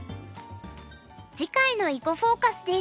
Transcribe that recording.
次回の「囲碁フォーカス」です。